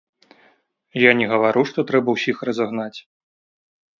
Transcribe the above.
Я не гавару, што трэба ўсіх разагнаць.